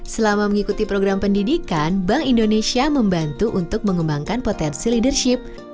selama mengikuti program pendidikan bank indonesia membantu untuk mengembangkan potensi leadership